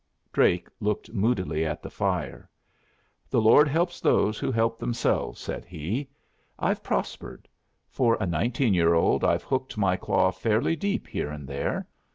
Drake looked moodily at the fire. "The Lord helps those who help themselves," said he. "I've prospered. For a nineteen year old I've hooked my claw fairly deep here and there.